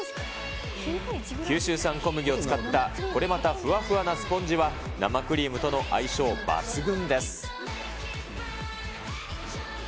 九州産小麦を使った、これまたふわふわなスポンジは、生クリームとの相性抜群です。